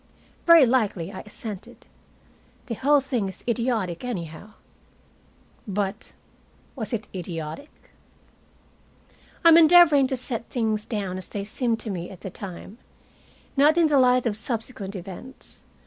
"Very likely," I assented. "The whole thing is idiotic, anyhow." But was it idiotic? I am endeavoring to set things down as they seemed to me at the time, not in the light of subsequent events.